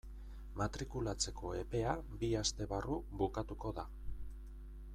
Matrikulatzeko epea bi aste barru bukatuko da.